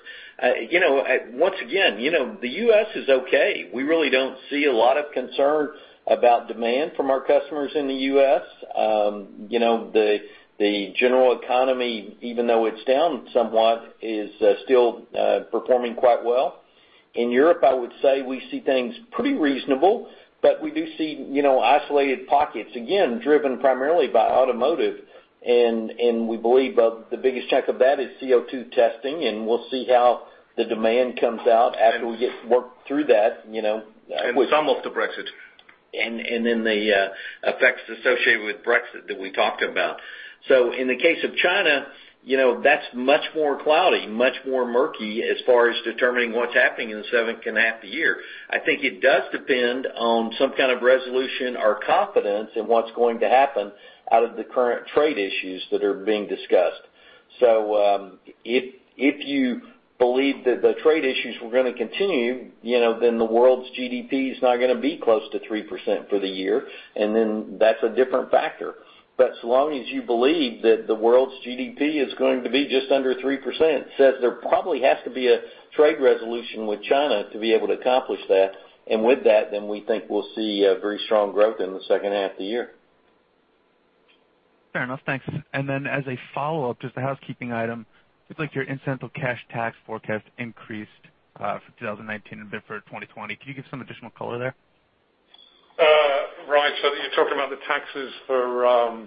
Speaker 3: Once again, the U.S. is okay. We really don't see a lot of concern about demand from our customers in the U.S. The general economy, even though it's down somewhat, is still performing quite well. In Europe, I would say we see things pretty reasonable, but we do see isolated pockets, again, driven primarily by automotive, and we believe the biggest chunk of that is CO2 testing, and we'll see how the demand comes out after we get work through that.
Speaker 4: Some of the Brexit.
Speaker 3: The effects associated with Brexit that we talked about. In the case of China, that's much more cloudy, much more murky as far as determining what's happening in the second half of the year. I think it does depend on some kind of resolution or confidence in what's going to happen out of the current trade issues that are being discussed. If you believe that the trade issues were going to continue, then the world's GDP is not going to be close to 3% for the year, and then that's a different factor. So long as you believe that the world's GDP is going to be just under 3%, there probably has to be a trade resolution with China to be able to accomplish that. With that, then we think we'll see a very strong growth in the second half of the year.
Speaker 13: Fair enough. Thanks. Then as a follow-up, just a housekeeping item. It looks like your incentive cash tax forecast increased for 2019 and for 2020. Can you give some additional color there?
Speaker 4: Right. You're talking about the taxes for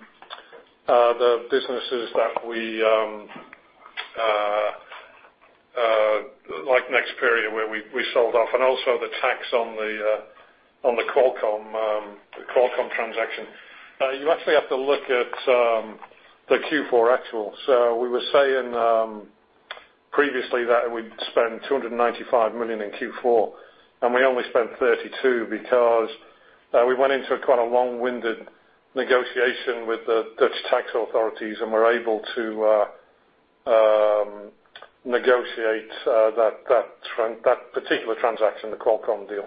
Speaker 4: the businesses that we like Nexperia, where we sold off, and also the tax on the Qualcomm transaction. You actually have to look at the Q4 actual. We were saying previously that we'd spend $295 million in Q4, and we only spent $32 because we went into a kind of long-winded negotiation with the Dutch tax authorities and were able to negotiate that particular transaction. The Qualcomm deal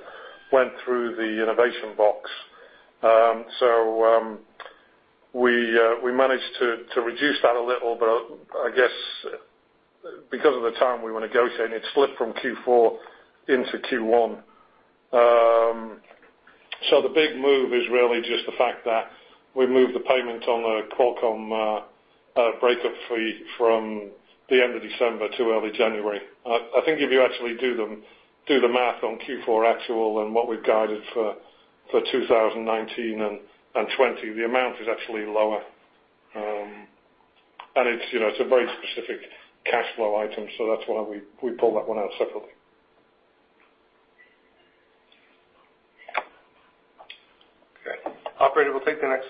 Speaker 4: went through the Innovation Box. We managed to reduce that a little, but I guess because of the time we were negotiating, it slipped from Q4 into Q1. The big move is really just the fact that we moved the payment on the Qualcomm breakup fee from the end of December to early January. I think if you actually do the math on Q4 actual and what we've guided for 2019 and 2020, the amount is actually lower. It's a very specific cash flow item, that's why we pull that one out separately.
Speaker 3: Okay. Operator, we'll take the next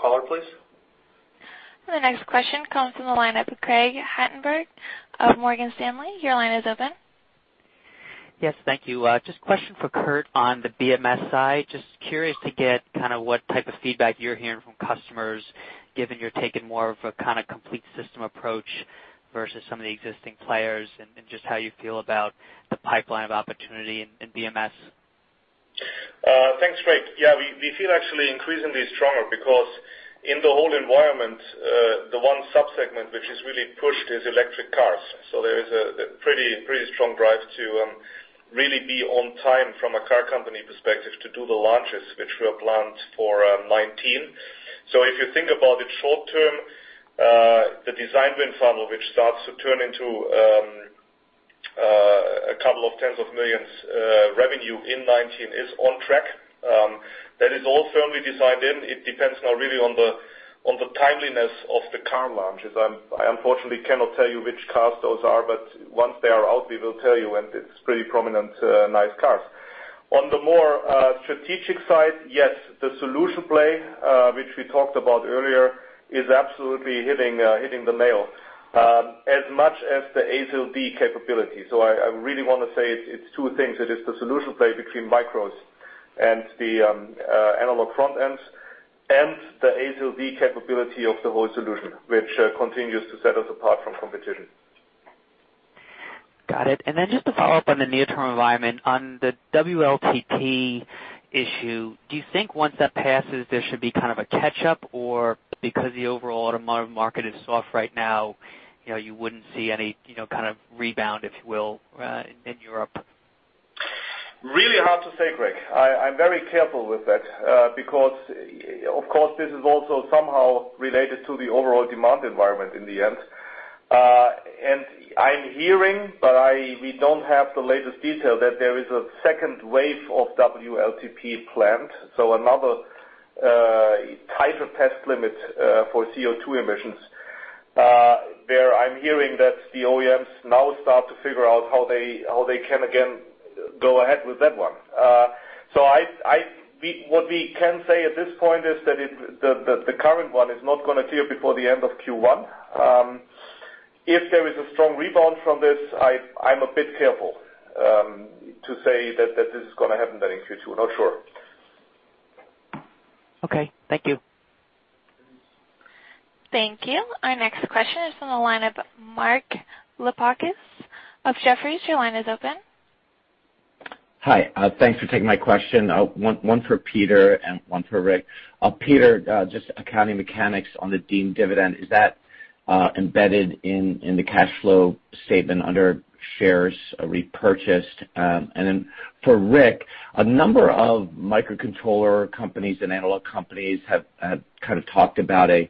Speaker 3: caller, please.
Speaker 1: The next question comes from the line of Craig Hettenbach of Morgan Stanley. Your line is open.
Speaker 14: Yes, thank you. Just a question for Kurt on the BMS side. Just curious to get kind of what type of feedback you're hearing from customers, given you're taking more of a kind of complete system approach versus some of the existing players, and just how you feel about the pipeline of opportunity in BMS.
Speaker 6: Thanks, Craig. Yeah, we feel actually increasingly stronger because in the whole environment, the one sub-segment which has really pushed is electric cars. There is a pretty strong drive to really be on time from a car company perspective to do the launches, which were planned for 2019. If you think about it short term, the design win funnel, which starts to turn into a couple of tens of millions revenue in 2019, is on track. That is all firmly decided. It depends now really on the timeliness of the car launches. I unfortunately cannot tell you which cars those are, but once they are out, we will tell you, and it's pretty prominent, nice cars. On the more strategic side, yes, the solution play, which we talked about earlier, is absolutely hitting the nail as much as the A to Z capability. I really want to say it's two things. It is the solution play between micros and the analog front ends, and the A to Z capability of the whole solution, which continues to set us apart from competition.
Speaker 14: Got it. Just to follow up on the near-term environment, on the WLTP issue, do you think once that passes, there should be kind of a catch-up? Or because the overall automotive market is soft right now, you wouldn't see any kind of rebound, if you will, in Europe?
Speaker 6: Really hard to say, Craig. I'm very careful with that because, of course, this is also somehow related to the overall demand environment in the end. I'm hearing, but we don't have the latest detail, that there is a second wave of WLTP planned, another tighter test limit for CO2 emissions. I'm hearing that the OEMs now start to figure out how they can again go ahead with that one. What we can say at this point is that the current one is not going to clear before the end of Q1. If there is a strong rebound from this, I'm a bit careful to say that this is going to happen then in Q2. Not sure.
Speaker 14: Okay, thank you.
Speaker 1: Thank you. Our next question is on the line of Mark Lipacis of Jefferies. Your line is open.
Speaker 15: Hi. Thanks for taking my question. One for Peter and one for Rick. Peter, just accounting mechanics on the deemed dividend. Is that embedded in the cash flow statement under shares repurchased? For Rick, a number of microcontroller companies and analog companies have kind of talked about a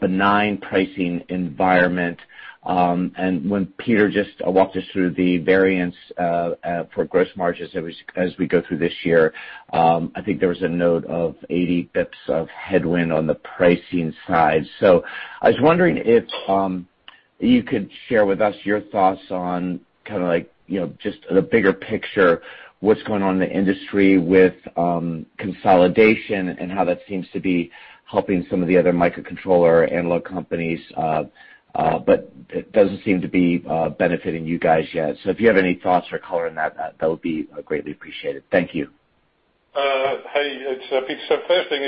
Speaker 15: benign pricing environment. When Peter just walked us through the variance for gross margins as we go through this year, I think there was a note of 80 basis points of headwind on the pricing side. I was wondering if you could share with us your thoughts on kind of like, just the bigger picture, what's going on in the industry with consolidation and how that seems to be helping some of the other microcontroller analog companies, but it doesn't seem to be benefiting you guys yet. If you have any thoughts or color on that would be greatly appreciated. Thank you.
Speaker 4: Hey, it's Peter. First thing,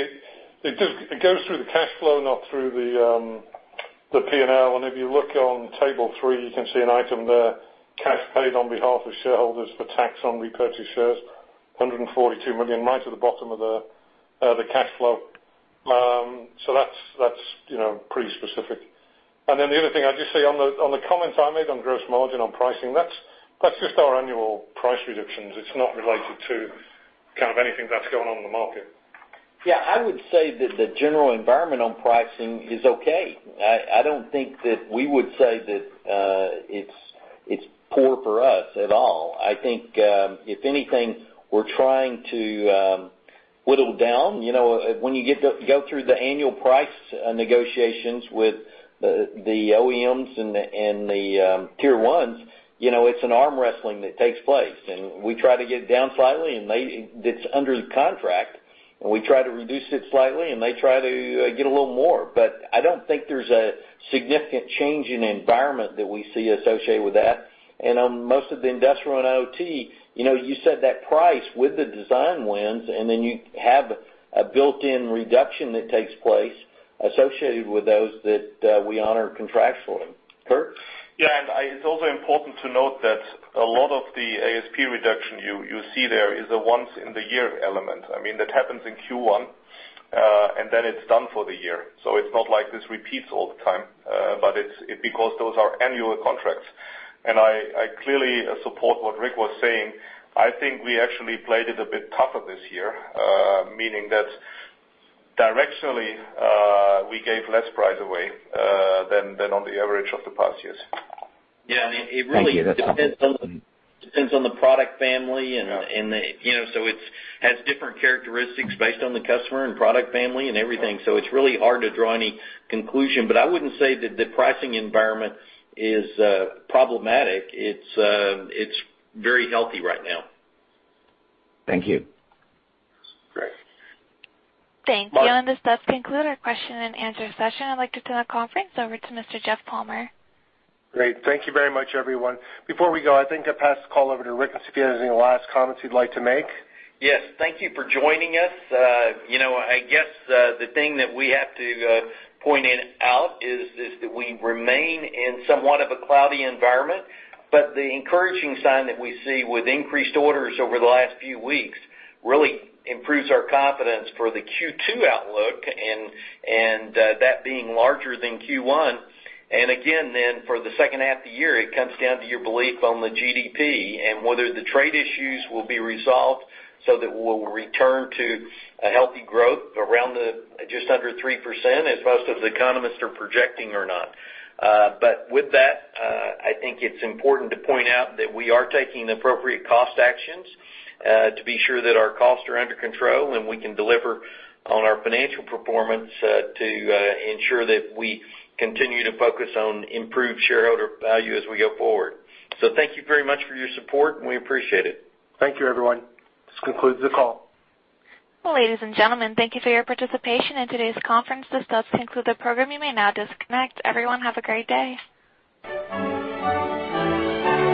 Speaker 4: it goes through the cash flow, not through the P&L. If you look on table three, you can see an item there, cash paid on behalf of shareholders for tax on repurchased shares, $142 million right at the bottom of the cash flow. That's pretty specific. The other thing I just see on the comments I made on gross margin on pricing, that's just our annual price reductions. It's not related to kind of anything that's going on in the market.
Speaker 3: I would say that the general environment on pricing is okay. I don't think that we would say that it's poor for us at all. I think, if anything, we're trying to whittle down. When you go through the annual price negotiations with the OEMs and the Tier 1s, it's an arm wrestling that takes place, and we try to get it down slightly, and it's under contract, and we try to reduce it slightly, and they try to get a little more. I don't think there's a significant change in environment that we see associated with that. On most of the industrial and IoT, you set that price with the design wins, and then you have a built-in reduction that takes place associated with those that we honor contractually. Kurt?
Speaker 6: It's also important to note that a lot of the ASP reduction you see there is a once-in-the-year element. I mean, that happens in Q1, and then it's done for the year. It's not like this repeats all the time, but it's because those are annual contracts. I clearly support what Rick was saying. I think we actually played it a bit tougher this year, meaning that directionally, we gave less price away than on the average of the past years.
Speaker 15: Thank you. That's helpful.
Speaker 3: It really depends on the product family, and it has different characteristics based on the customer and product family and everything. It's really hard to draw any conclusion. I wouldn't say that the pricing environment is problematic. It's very healthy right now.
Speaker 15: Thank you.
Speaker 3: Great.
Speaker 1: Thank you.
Speaker 3: Mark.
Speaker 1: This does conclude our question and answer session. I'd like to turn the conference over to Mr. Jeff Palmer.
Speaker 2: Great. Thank you very much, everyone. Before we go, I think I'll pass the call over to Rick. If you have any last comments you'd like to make?
Speaker 3: Yes. Thank you for joining us. I guess the thing that we have to point out is that we remain in somewhat of a cloudy environment, but the encouraging sign that we see with increased orders over the last few weeks really improves our confidence for the Q2 outlook and that being larger than Q1. For the second half of the year, it comes down to your belief on the GDP and whether the trade issues will be resolved so that we'll return to a healthy growth around just under 3% as most of the economists are projecting or not. With that, I think it's important to point out that we are taking the appropriate cost actions to be sure that our costs are under control and we can deliver on our financial performance to ensure that we continue to focus on improved shareholder value as we go forward. Thank you very much for your support, and we appreciate it.
Speaker 2: Thank you, everyone. This concludes the call.
Speaker 1: Ladies and gentlemen, thank you for your participation in today's conference. This does conclude the program. You may now disconnect. Everyone, have a great day.